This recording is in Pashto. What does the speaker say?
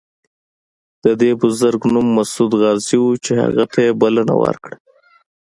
د دې بزرګ نوم مسعود غازي و چې هغه ته یې بلنه ورکړه.